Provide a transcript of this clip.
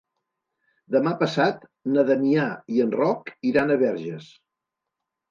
Demà passat na Damià i en Roc iran a Verges.